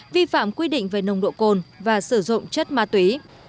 vi phạm quy định về nồng độ cồn và sử dụng chất ma túy